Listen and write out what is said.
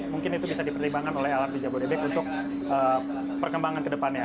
mungkin itu bisa dipertimbangkan oleh lrt jabodebek untuk perkembangan kedepannya